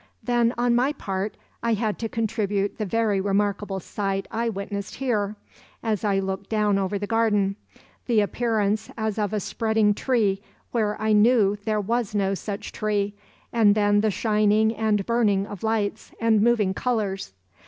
Then, on my part, I had to contribute the very remarkable sight I witnessed here, as I looked down over the garden; the appearance as of a spreading tree where I knew there was no such tree, and then the shining and burning of lights and moving colors.